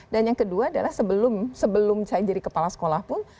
dan yang kedua adalah sebelum saya jadi kepala sekolah pun